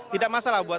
tidak masalah buat